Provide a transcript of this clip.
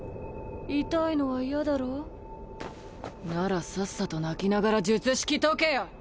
痛いのは嫌だろ？ならさっさと泣きながら術式解けよ。